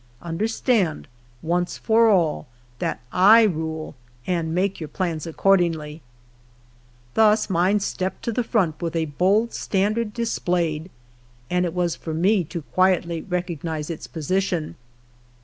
Understand, once for all, that I rule, and make your plans accordingly." Thus mind stepped to the front with a bold standard dis played, and it was for me to quietly recognize its position.